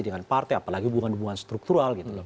dengan partai apalagi hubungan hubungan struktural